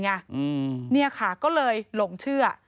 นี่ค่ะก็เลยหลงเชื่อ